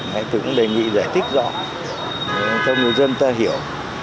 hãy tự đề nghị giải thích rõ cho người dân ta hiểu